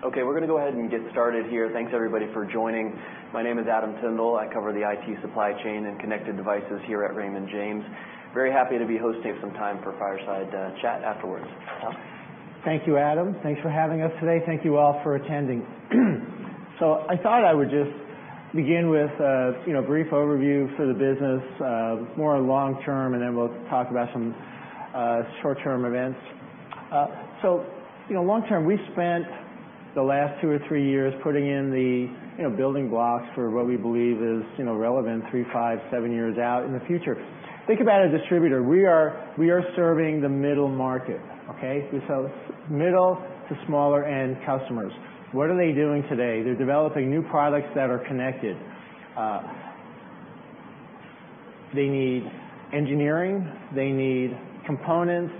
Okay, we're going to go ahead and get started here. Thanks everybody for joining. My name is Adam Tindall. I cover the IT Supply Chain and Connected Devices here at Raymond James. Very happy to be hosting some time for fireside chat afterwards. Tom? Thank you, Adam. Thanks for having us today. Thank you all for attending. I thought I would just begin with a brief overview for the business, more long term, and then we'll talk about some short term events. Long term, we've spent the last two or three years putting in the building blocks for what we believe is relevant three, five, seven years out in the future. Think about a distributor. We are serving the middle market, okay? We sell middle to smaller end customers. What are they doing today? They're developing new products that are connected. They need engineering. They need components.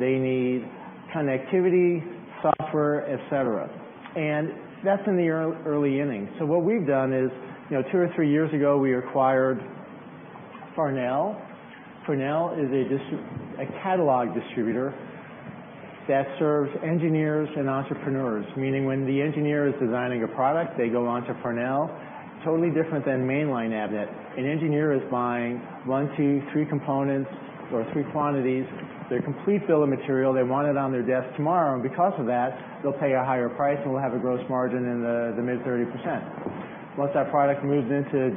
They need connectivity, software, et cetera. That's in the early innings. What we've done is, two or three years ago, we acquired Farnell. Farnell is a catalog distributor that serves engineers and entrepreneurs, meaning when the engineer is designing a product, they go on to Farnell. Totally different than mainline Avnet. An engineer is buying one, two, three components or three quantities. Their complete bill of material, they want it on their desk tomorrow, and because of that, they'll pay a higher price, and we'll have a gross margin in the mid 30%. Once that product moves into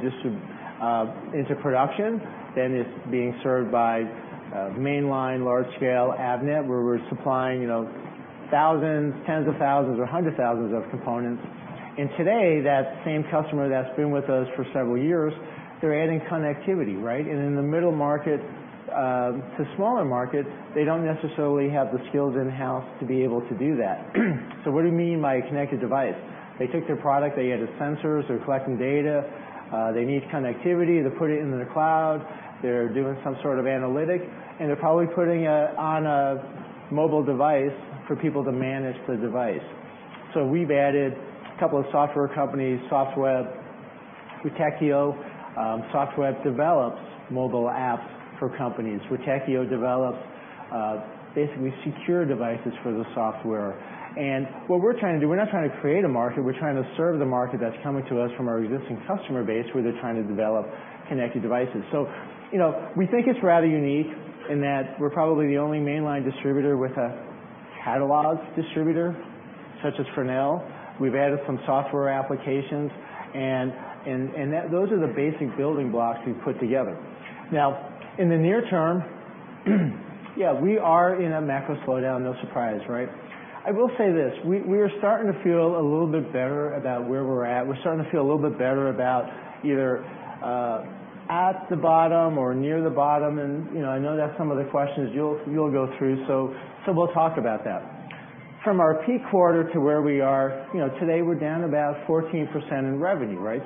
production, then it's being served by a mainline large scale Avnet, where we're supplying thousands, tens of thousands or hundred thousands of components. Today, that same customer that's been with us for several years, they're adding connectivity, right? In the middle market to smaller markets, they don't necessarily have the skills in-house to be able to do that. What do we mean by a connected device? They take their product, they add the sensors, they're collecting data. They need connectivity to put it into the cloud. They're doing some sort of analytic, and they're probably putting it on a mobile device for people to manage the device. We've added a couple of software companies, Softweb, Witekio. Softweb develops mobile apps for companies. Witekio develops basically secure devices for the software. What we're trying to do, we're not trying to create a market, we're trying to serve the market that's coming to us from our existing customer base, where they're trying to develop connected devices. We think it's rather unique in that we're probably the only mainline distributor with a catalog distributor such as Farnell. We've added some software applications and those are the basic building blocks we've put together. Now, in the near term, yeah, we are in a macro slowdown. No surprise, right? I will say this. We are starting to feel a little bit better about where we're at. We're starting to feel a little bit better about either at the bottom or near the bottom, and I know that's some of the questions you'll go through, so we'll talk about that. From our peak quarter to where we are today, we're down about 14% in revenue, right?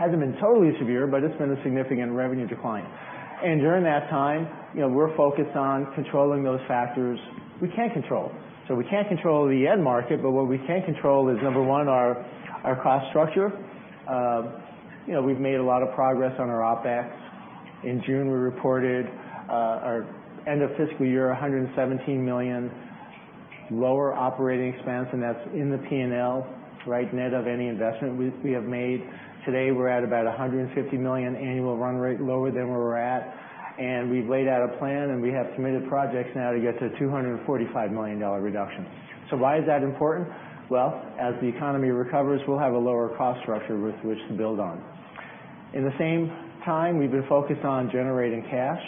It hasn't been totally severe, but it's been a significant revenue decline. During that time, we're focused on controlling those factors we can control. We can't control the end market, but what we can control is, number 1, our cost structure. We've made a lot of progress on our OpEx. In June, we reported our end of fiscal year, $117 million lower operating expense, and that's in the P&L, right, net of any investment we have made. Today, we're at about $150 million annual run rate lower than where we're at, and we've laid out a plan, and we have committed projects now to get to a $245 million reduction. Why is that important? Well, as the economy recovers, we'll have a lower cost structure with which to build on. In the same time, we've been focused on generating cash,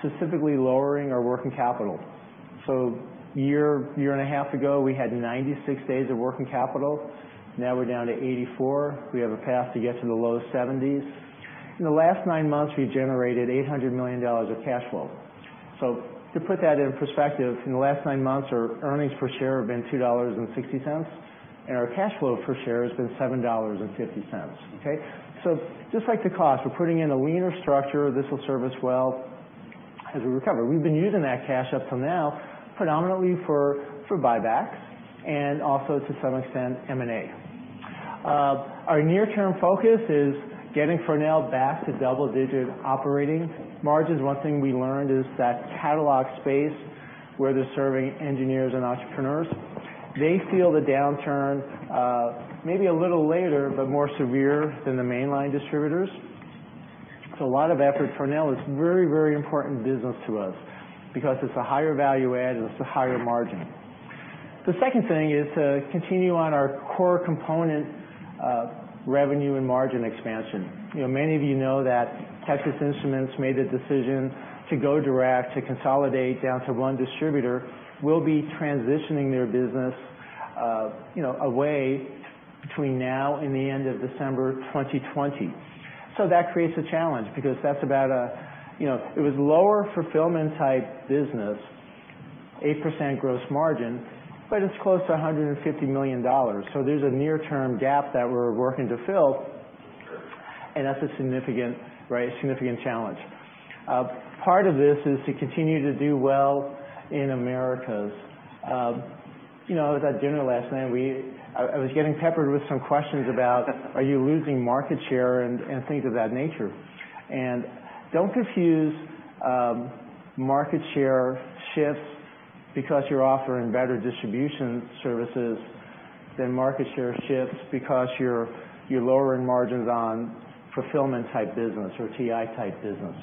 specifically lowering our working capital. Year, year and a half ago, we had 96 days of working capital. Now we're down to 84. We have a path to get to the low 70s. In the last nine months, we generated $800 million of cash flow. To put that in perspective, in the last nine months, our earnings per share have been $2.60, and our cash flow per share has been $7.50, okay. Just like the cost, we're putting in a leaner structure. This will serve us well as we recover. We've been using that cash up till now predominantly for buybacks and also, to some extent, M&A. Our near-term focus is getting Farnell back to double-digit operating margins. One thing we learned is that catalog space, where they're serving engineers and entrepreneurs, they feel the downturn maybe a little later, but more severe than the mainline distributors. A lot of effort. Farnell is very important business to us because it's a higher value add and it's a higher margin. The second thing is to continue on our core component revenue and margin expansion. Many of you know that Texas Instruments made the decision to go direct, to consolidate down to one distributor. We'll be transitioning their business away between now and the end of December 2020. That creates a challenge because it was lower fulfillment type business, 8% gross margin, but it's close to $150 million. There's a near-term gap that we're working to fill, and that's a significant challenge. Part of this is to continue to do well in Americas. I was at dinner last night. I was getting peppered with some questions about, "Are you losing market share?" and things of that nature. Don't confuse market share shifts because you're offering better distribution services than market share shifts because you're lowering margins on fulfillment type business or TI type business.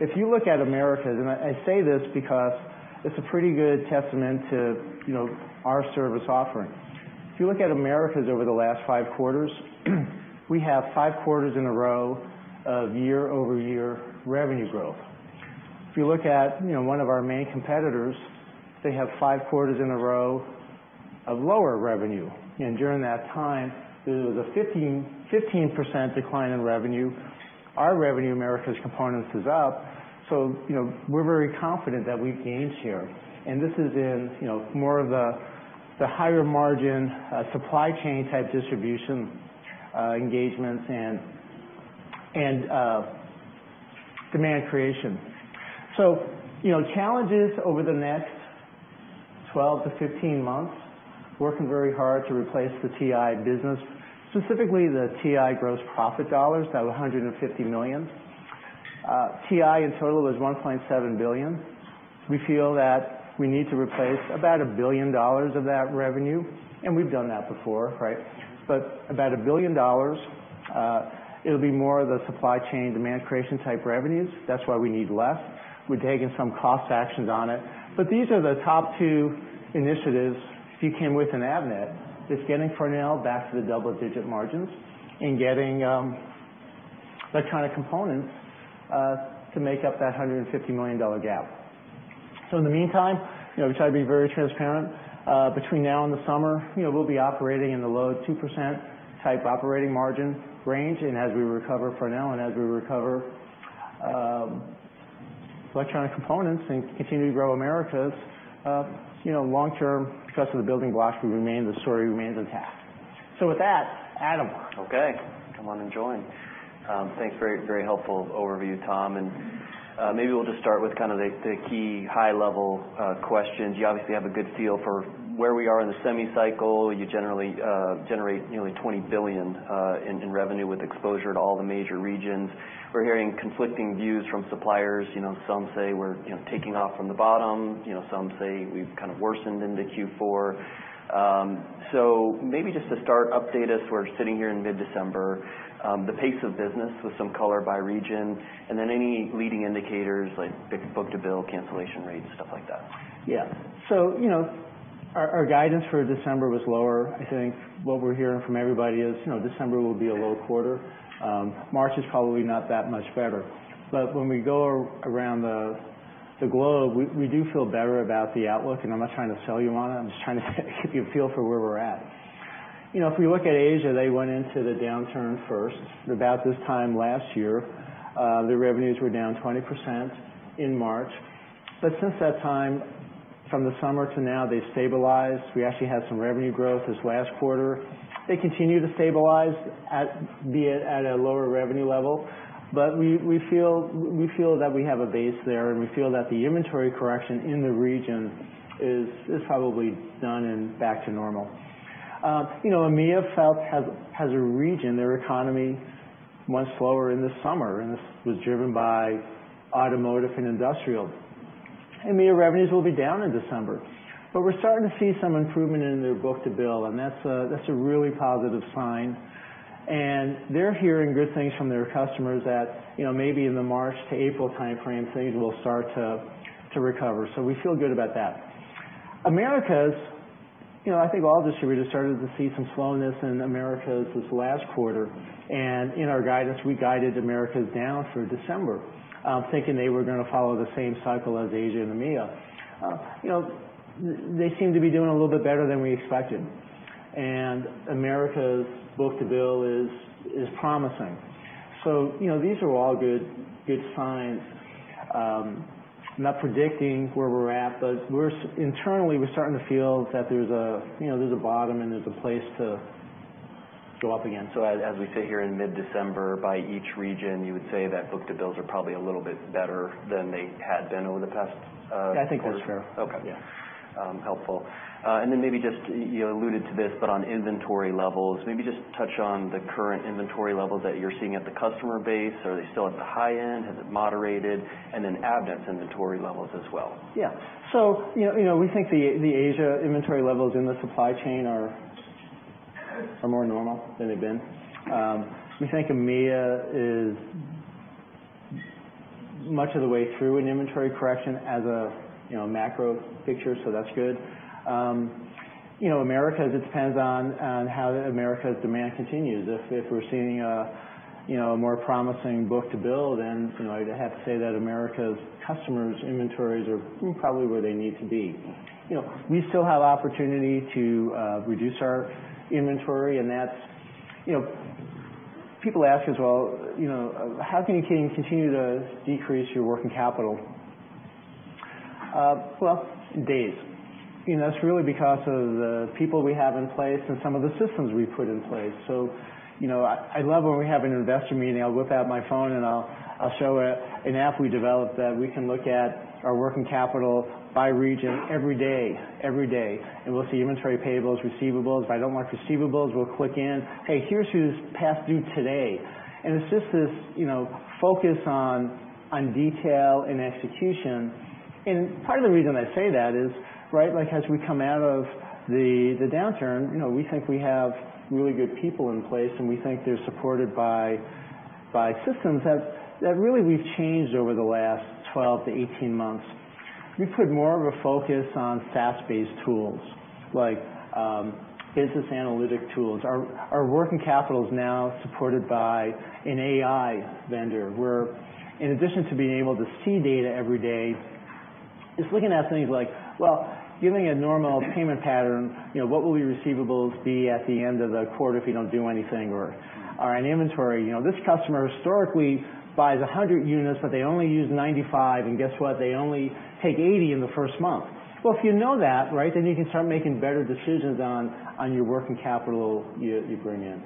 If you look at Americas, and I say this because it's a pretty good testament to our service offering. If you look at Americas over the last five quarters, we have five quarters in a row of year-over-year revenue growth. If you look at one of our main competitors, they have five quarters in a row of lower revenue, and during that time, it was a 15% decline in revenue. Our revenue in Americas components is up, so we're very confident that we've gained share, and this is in more of the higher margin, supply chain type distribution engagements and demand creation. Challenges over the next 12 to 15 months, working very hard to replace the TI business, specifically the TI gross profit dollars, that $150 million. TI in total is $1.7 billion. We feel that we need to replace about $1 billion of that revenue, and we've done that before. About $1 billion, it'll be more of the supply chain demand creation type revenues. That's why we need less. We've taken some cost actions on it. These are the top two initiatives if you came with an Avnet, it's getting Farnell back to the double-digit margins and getting electronic components to make up that $150 million gap. In the meantime, we try to be very transparent. Between now and the summer, we'll be operating in the low 2% type operating margin range, and as we recover Farnell and as we recover electronic components and continue to grow Americas, long term, because of the building blocks, the story remains intact. With that, Adam. Okay. Come on and join. Thanks. Very helpful overview, Tom. Maybe we'll just start with the key high-level questions. You obviously have a good feel for where we are in the semi-cycle. You generally generate nearly $20 billion in revenue with exposure to all the major regions. We're hearing conflicting views from suppliers. Some say we're taking off from the bottom, some say we've kind of worsened into Q4. Maybe just to start, update us. We're sitting here in mid-December, the pace of business with some color by region, and then any leading indicators like book-to-bill, cancellation rates, stuff like that. Yeah. Our guidance for December was lower. I think what we're hearing from everybody is December will be a low quarter. March is probably not that much better. When we go around the globe, we do feel better about the outlook, and I'm not trying to sell you on it, I'm just trying to give you a feel for where we're at. If we look at Asia, they went into the downturn first. About this time last year, their revenues were down 20% in March. Since that time, from the summer to now, they stabilized. We actually had some revenue growth this last quarter. They continue to stabilize, be it at a lower revenue level, we feel that we have a base there, and we feel that the inventory correction in the region is probably done and back to normal. EMEA has a region, their economy went slower in the summer, and this was driven by automotive and industrial. EMEA revenues will be down in December. We're starting to see some improvement in their book-to-bill, and that's a really positive sign, and they're hearing good things from their customers that maybe in the March to April timeframe, things will start to recover. We feel good about that. Americas, I think all distributors started to see some slowness in Americas this last quarter, and in our guidance, we guided Americas down through December, thinking they were going to follow the same cycle as Asia and EMEA. They seem to be doing a little bit better than we expected, and Americas book-to-bill is promising. These are all good signs. I'm not predicting where we're at, but internally, we're starting to feel that there's a bottom and there's a place to go up again. As we sit here in mid-December, by each region, you would say that book-to-bills are probably a little bit better than they had been over the past quarter? Yeah, I think that's fair. Okay. Yeah. Helpful. Maybe just, you alluded to this, but on inventory levels, maybe just touch on the current inventory levels that you're seeing at the customer base. Are they still at the high end? Has it moderated? Then Avnet's inventory levels as well. Yeah. We think the Asia inventory levels in the supply chain are more normal than they've been. We think EMEA is much of the way through an inventory correction as a macro picture, so that's good. Americas, it depends on how the Americas demand continues. If we're seeing a more promising book-to-bill, then I'd have to say that Americas customers' inventories are probably where they need to be. We still have opportunity to reduce our inventory, and people ask us, "Well, how can you continue to decrease your working capital?" Well, days. That's really because of the people we have in place and some of the systems we've put in place. I love when we have an investor meeting. I'll whip out my phone and I'll show an app we developed that we can look at our working capital by region every day, and we'll see inventory payables, receivables. If I don't like receivables, we'll click in. Hey, here's who's past due today. It's just this focus on detail and execution. And part of the reason I say that is as we come out of the downturn, we think we have really good people in place, and we think they're supported by systems that really we've changed over the last 12-18 months. We put more of a focus on SaaS-based tools, like business analytic tools. Our working capital is now supported by an AI vendor, where in addition to being able to see data every day, it's looking at things like, well, given a normal payment pattern, what will your receivables be at the end of the quarter if you don't do anything? In inventory, this customer historically buys 100 units, but they only use 95, and guess what? They only take 80 in the first month. If you know that, then you can start making better decisions on your working capital you bring in.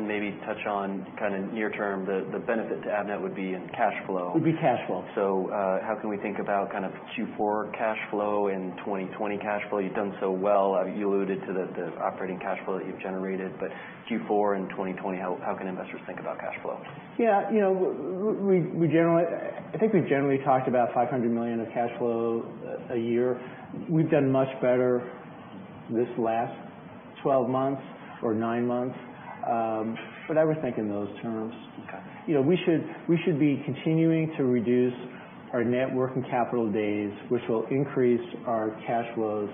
Maybe touch on near-term, the benefit to Avnet would be in cash flow. Would be cash flow. How can we think about Q4 cash flow and 2020 cash flow? You've done so well. You alluded to the operating cash flow that you've generated. Q4 and 2020, how can investors think about cash flow? Yeah. I think we've generally talked about $500 million of cash flow a year. We've done much better this last 12 months or nine months. I would think in those terms. Okay. We should be continuing to reduce our net working capital days, which will increase our cash flows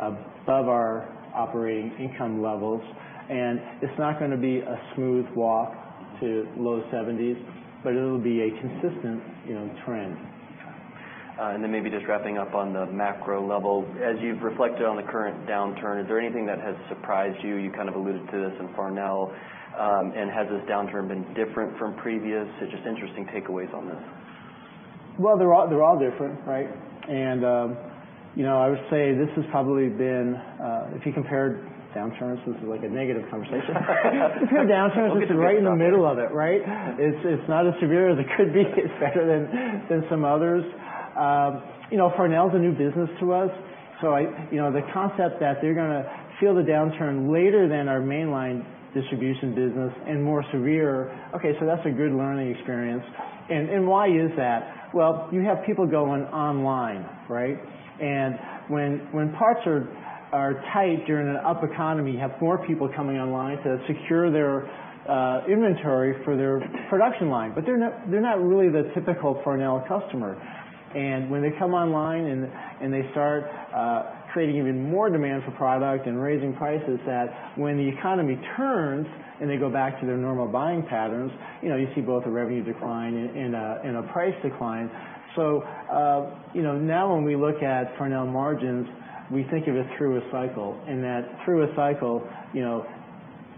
above our operating income levels, and it's not going to be a smooth walk to low 70s, but it'll be a consistent trend. Okay. Maybe just wrapping up on the macro level. As you've reflected on the current downturn, is there anything that has surprised you? You kind of alluded to this in Farnell. Has this downturn been different from previous? Just interesting takeaways on this. Well, they're all different, right? I would say this has probably been, if you compared downturns, this is like a negative conversation. We'll get to the positive. If you compare downturns, this is right in the middle of it, right? It's not as severe as it could be. It's better than some others. Farnell's a new business to us, so the concept that they're going to feel the downturn later than our mainline distribution business and more severe, that's a good learning experience. Why is that? Well, you have people going online. When parts are tight during an up economy, you have more people coming online to secure their inventory for their production line. They're not really the typical Farnell customer. When they come online and they start creating even more demand for product and raising prices, that when the economy turns and they go back to their normal buying patterns, you see both a revenue decline and a price decline. Now when we look at Farnell margins, we think of it through a cycle, and that through a cycle,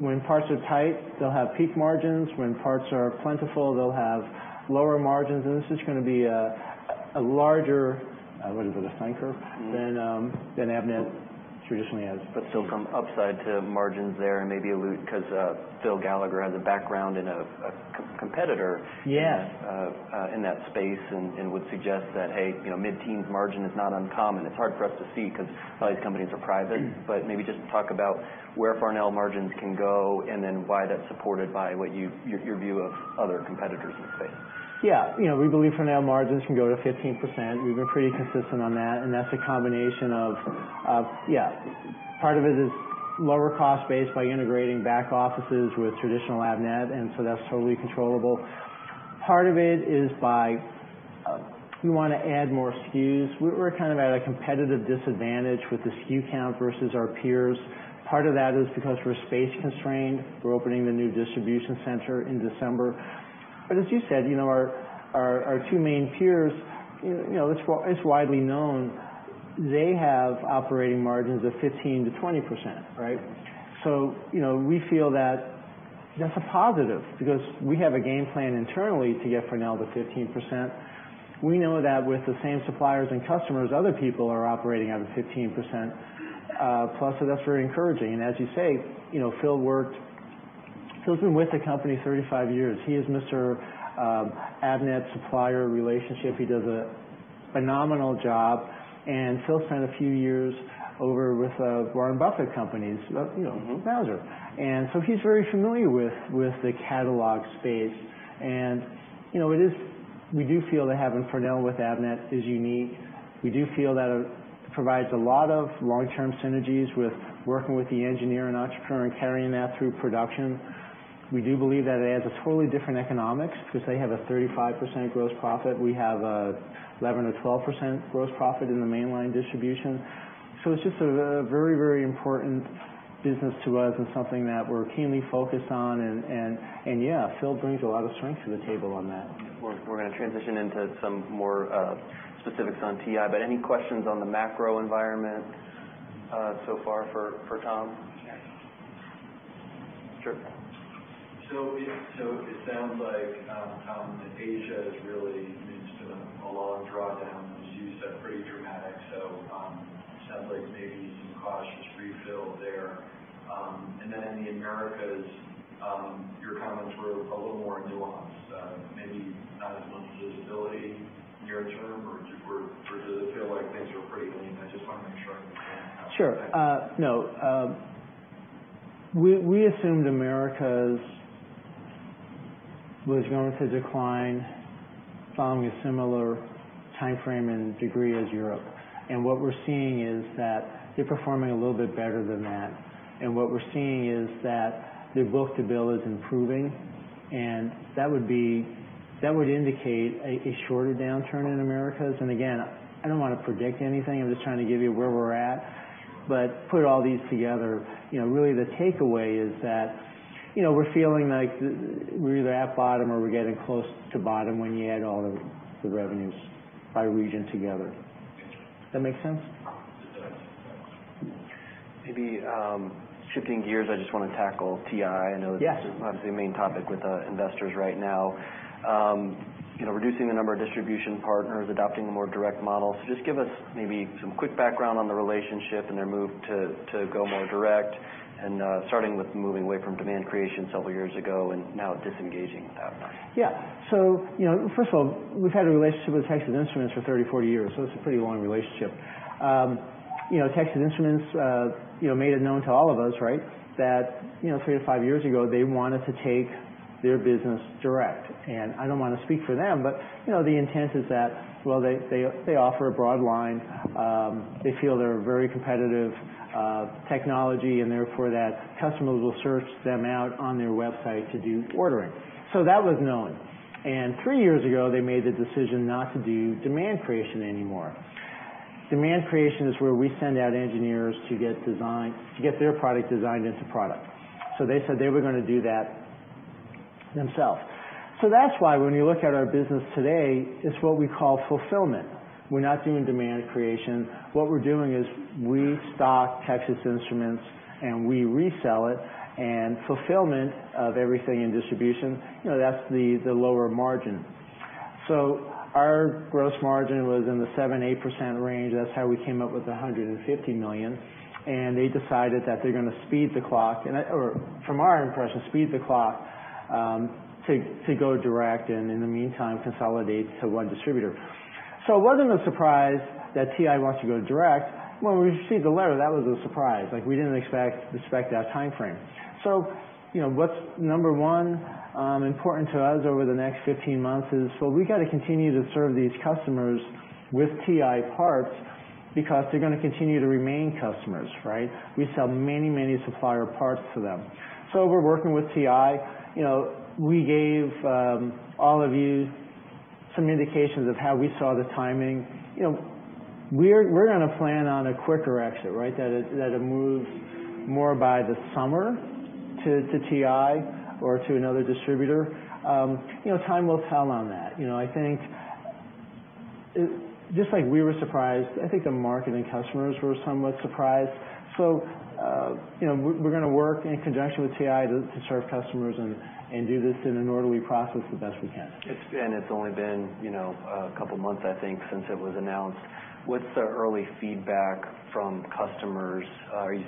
when parts are tight, they'll have peak margins. When parts are plentiful, they'll have lower margins. This is going to be a larger, I wouldn't put a thing, than Avnet traditionally has. Still some upside to margins there and maybe allude, because Phil Gallagher has a background in a competitor-. Yes in that space and would suggest that, hey, mid-teens margin is not uncommon. It's hard for us to see because a lot of these companies are private. Maybe just talk about where Farnell margins can go, and then why that's supported by your view of other competitors in the space. We believe Farnell margins can go to 15%. We've been pretty consistent on that, and that's a combination of Part of it is lower cost base by integrating back offices with traditional Avnet, that's totally controllable. Part of it is by we want to add more SKUs. We're kind of at a competitive disadvantage with the SKU count versus our peers. Part of that is because we're space constrained. We're opening the new distribution center in December. As you said, our two main peers, it's widely known they have operating margins of 15%-20%, right? We feel that that's a positive because we have a game plan internally to get Farnell to 15%. We know that with the same suppliers and customers, other people are operating out of 15% plus, that's very encouraging. As you say, Phil's been with the company 35 years. He is Mr. Avnet supplier relationship. He does a phenomenal job, and Phil spent a few years over with the Warren Buffett companies, you know, Berkshire. He's very familiar with the catalog space. We do feel that having Farnell with Avnet is unique. We do feel that it provides a lot of long-term synergies with working with the engineer and entrepreneur and carrying that through production. We do believe that it adds a totally different economics because they have a 35% gross profit. We have a 11% to 12% gross profit in the mainline distribution. It's just a very, very important business to us and something that we're keenly focused on. Yeah, Phil brings a lot of strength to the table on that. We're going to transition into some more specifics on TI, but any questions on the macro environment so far for Tom? Sure. Sure. It sounds like Asia is really, it's been a long drawdown, as you said, pretty dramatic, so sounds like maybe some cautious refill there. In the Americas, your comments were a little more nuanced. Maybe not as much visibility near-term or does it feel like things are pretty lean? I just want to make sure I understand how. Sure. No. We assumed Americas was going to decline following a similar timeframe and degree as Europe. What we're seeing is that they're performing a little bit better than that. What we're seeing is that their book-to-bill is improving, and that would indicate a shorter downturn in Americas. Again, I don't want to predict anything, I'm just trying to give you where we're at. Put all these together, really the takeaway is that, we're feeling like we're either at bottom or we're getting close to bottom when you add all of the revenues by region together. Thank you. Does that make sense? It does. Thanks. Maybe shifting gears, I just want to tackle TI. Yes this is obviously a main topic with investors right now. Reducing the number of distribution partners, adopting a more direct model. So just give us maybe some quick background on the relationship and their move to go more direct, and starting with moving away from demand creation several years ago, and now disengaging with Avnet. First of all, we've had a relationship with Texas Instruments for 30, 40 years, it's a pretty long relationship. Texas Instruments made it known to all of us, right, that three to five years ago, they wanted to take their business direct. I don't want to speak for them, the intent is that while they offer a broad line, they feel they're a very competitive technology, therefore that customers will search them out on their website to do ordering. That was known. Three years ago, they made the decision not to do demand creation anymore. Demand creation is where we send out engineers to get their product designed into product. They said they were going to do that themselves. That's why when you look at our business today, it's what we call fulfillment. We're not doing demand creation. What we're doing is we stock Texas Instruments, and we resell it, and fulfillment of everything in distribution, that's the lower margin. Our gross margin was in the 7%-8% range. That's how we came up with the $150 million. They decided that they're going to speed the clock, or from our impression, speed the clock, to go direct, and in the meantime, consolidate to one distributor. It wasn't a surprise that TI wants to go direct. When we received the letter, that was a surprise. We didn't expect that timeframe. What's number one important to us over the next 15 months is, so we got to continue to serve these customers with TI parts because they're going to continue to remain customers, right? We sell many supplier parts to them. We're working with TI. We gave all of you some indications of how we saw the timing. We're going to plan on a quicker exit, right? That it moves more by the summer to TI or to another distributor. Time will tell on that. I think, just like we were surprised, I think the market and customers were somewhat surprised. We're going to work in conjunction with TI to serve customers and do this in an orderly process the best we can. It's only been a couple of months, I think, since it was announced. What's the early feedback from customers? Are you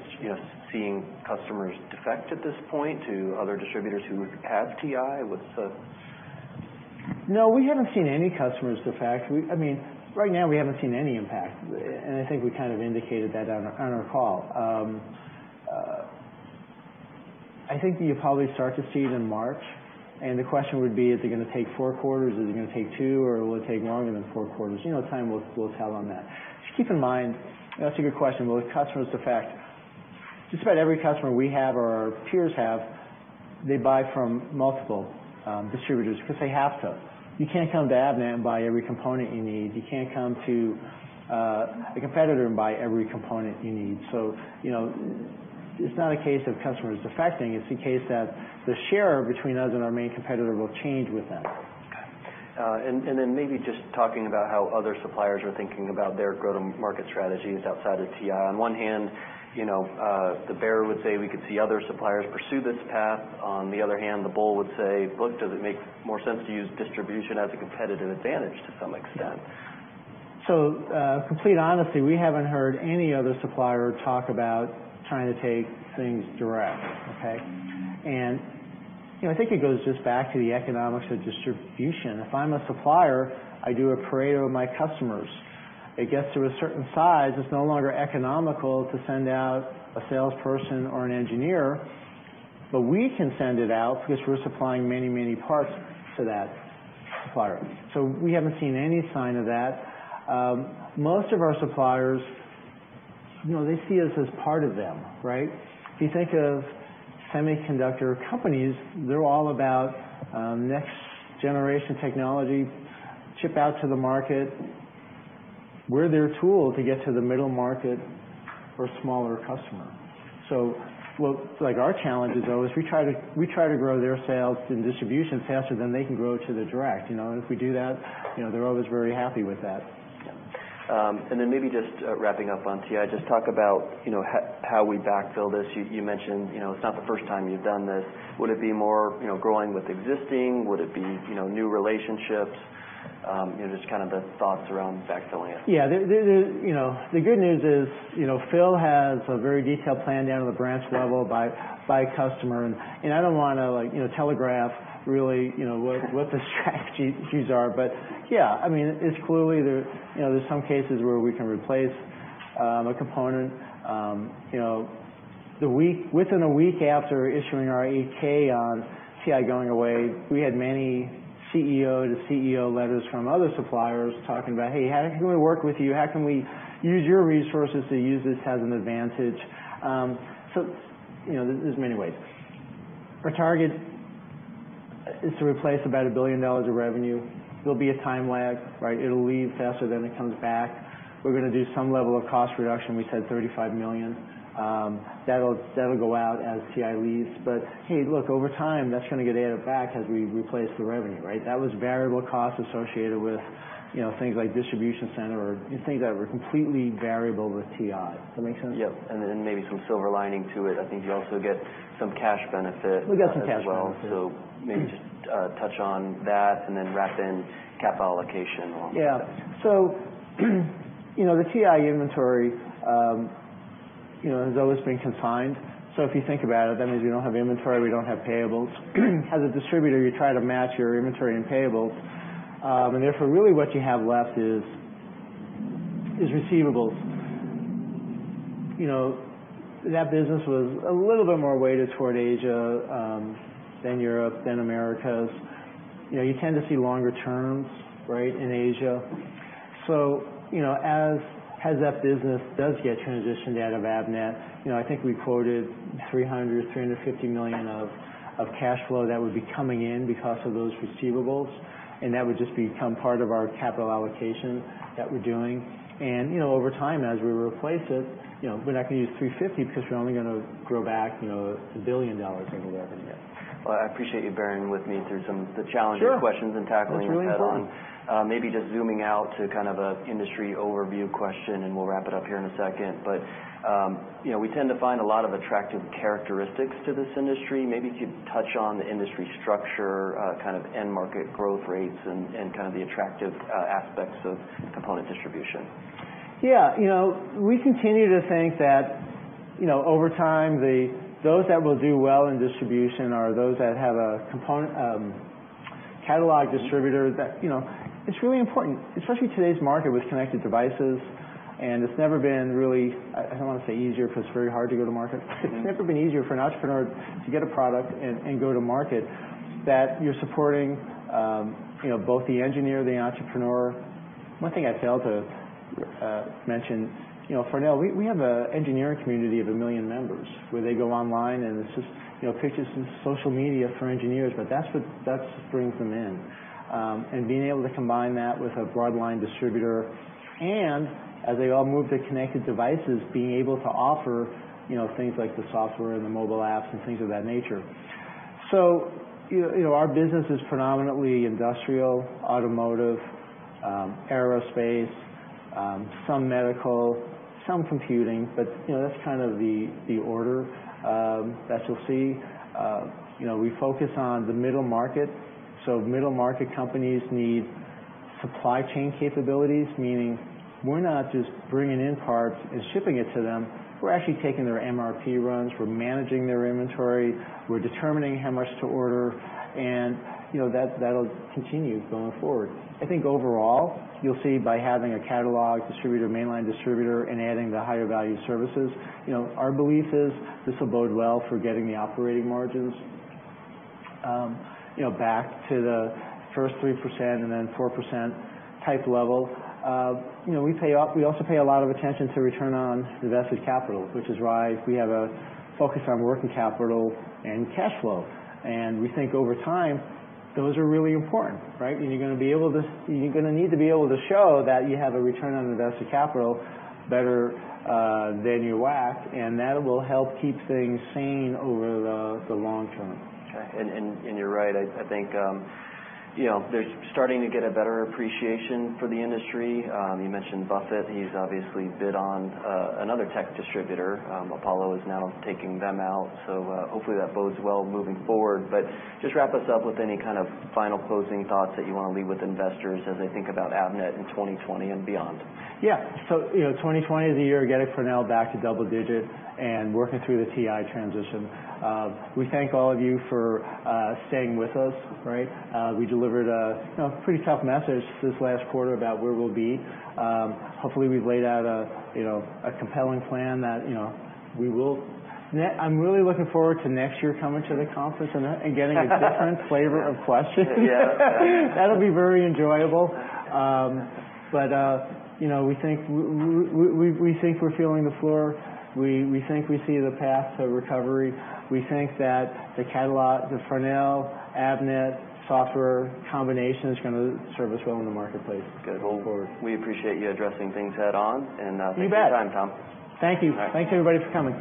seeing customers defect at this point to other distributors who have TI? No, we haven't seen any customers defect. Right now we haven't seen any impact, and I think we kind of indicated that on our call. I think you'll probably start to see it in March, and the question would be, is it going to take 4 quarters? Is it going to take two, or will it take longer than 4 quarters? Time will tell on that. Just keep in mind, that's a good question, will the customers defect? Just about every customer we have or our peers have, they buy from multiple distributors because they have to. You can't come to Avnet and buy every component you need. You can't come to a competitor and buy every component you need. It's not a case of customers defecting. It's the case that the share between us and our main competitor will change with them. Okay. Maybe just talking about how other suppliers are thinking about their go-to-market strategies outside of TI. On one hand, the bear would say we could see other suppliers pursue this path. On the other hand, the bull would say, look, does it make more sense to use distribution as a competitive advantage to some extent? Complete honesty, we haven't heard any other supplier talk about trying to take things direct. I think it goes just back to the economics of distribution. If I'm a supplier, I do a parade of my customers. It gets to a certain size, it's no longer economical to send out a salesperson or an engineer, but we can send it out because we're supplying many, many parts to that supplier. We haven't seen any sign of that. Most of our suppliers, they see us as part of them. If you think of semiconductor companies, they're all about next-generation technology, chip out to the market. We're their tool to get to the middle market or smaller customer. Like our challenge is, though, is we try to grow their sales and distribution faster than they can grow to the direct. If we do that, they're always very happy with that. Yeah. Then maybe just wrapping up on TI, just talk about how we backfill this. You mentioned it's not the first time you've done this. Would it be more growing with existing? Would it be new relationships? Just kind of the thoughts around backfilling it. Yeah. The good news is Phil has a very detailed plan down to the branch level by customer, I don't want to telegraph really what the strategies are. Yeah, it's clearly there's some cases where we can replace a component. Within a week after issuing our 8-K on TI going away, we had many CEO to CEO letters from other suppliers talking about, "Hey, how can we work with you? How can we use your resources to use this as an advantage?" There's many ways. Our target is to replace about $1 billion of revenue. There'll be a time lag. It'll leave faster than it comes back. We're going to do some level of cost reduction, we said $35 million. That'll go out as TI leaves. Hey, look, over time, that's going to get added back as we replace the revenue. That was variable costs associated with things like distribution center or things that were completely variable with TI. Does that make sense? Yep. Then maybe some silver lining to it. I think you also get some cash benefit as well. We got some cash benefit. Maybe just touch on that and then wrap in capital allocation and all that stuff. The TI inventory has always been consigned. If you think about it, that means we don't have inventory, we don't have payables. As a distributor, you try to match your inventory and payables. Therefore, really what you have left is receivables. That business was a little bit more weighted toward Asia than Europe, than Americas. You tend to see longer terms in Asia. As that business does get transitioned out of Avnet, I think we quoted $300 million or $350 million of cash flow that would be coming in because of those receivables, and that would just become part of our capital allocation that we're doing. Over time, as we replace it, we're not going to use $350 because we're only going to grow back $1 billion in revenue. Well, I appreciate you bearing with me through some of the challenging questions and tackling them head on. Sure. It's really important. Maybe just zooming out to kind of an industry overview question, and we'll wrap it up here in a second. We tend to find a lot of attractive characteristics to this industry. Maybe if you'd touch on the industry structure, kind of end market growth rates, and kind of the attractive aspects of component distribution. Yeah. We continue to think that over time, those that will do well in distribution are those that have a component catalog distributor that It's really important, especially today's market with connected devices, and it's never been really, I don't want to say easier, because it's very hard to go to market. It's never been easier for an entrepreneur to get a product and go to market, that you're supporting both the engineer, the entrepreneur. One thing I failed to mention, Farnell, we have an engineering community of 1 million members, where they go online, and it's just pictures and social media for engineers, but that's what brings them in. Being able to combine that with a broad line distributor and, as they all move to connected devices, being able to offer things like the software and the mobile apps and things of that nature. Our business is predominantly industrial, automotive, aerospace, some medical, some computing, but that's kind of the order that you'll see. We focus on the middle market, so middle market companies need supply chain capabilities, meaning we're not just bringing in parts and shipping it to them, we're actually taking their MRP runs, we're managing their inventory, we're determining how much to order, and that'll continue going forward. I think overall, you'll see by having a catalog distributor, mainline distributor, and adding the higher value services, our belief is this will bode well for getting the operating margins back to the first 3% and then 4% type level. We also pay a lot of attention to return on invested capital, which is why we have a focus on working capital and cash flow. We think over time, those are really important. You're going to need to be able to show that you have a return on invested capital better than your WACC. That will help keep things sane over the long term. Sure. You're right. I think they're starting to get a better appreciation for the industry. You mentioned Buffett. He's obviously bid on another tech distributor. Apollo is now taking them out, so hopefully that bodes well moving forward. Just wrap us up with any kind of final closing thoughts that you want to leave with investors as they think about Avnet in 2020 and beyond. Yeah. 2020 is the year of getting Farnell back to double digits and working through the TI transition. We thank all of you for staying with us. We delivered a pretty tough message this last quarter about where we'll be. Hopefully, we've laid out a compelling plan. I'm really looking forward to next year coming to the conference and getting a different flavor of questions. Yeah. That'll be very enjoyable. We think we're feeling the floor. We think we see the path to recovery. We think that the catalog, the Farnell, Avnet software combination is going to serve us well in the marketplace going forward. Good. Well, we appreciate you addressing things head on. Thanks for your time, Tom. You bet. Thank you. All right. Thanks, everybody, for coming.